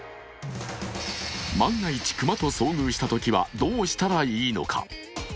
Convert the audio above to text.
万が一、熊と遭遇したときはどうしたらいいのか。